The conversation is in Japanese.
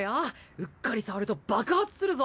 うっかり触ると爆発するぞ。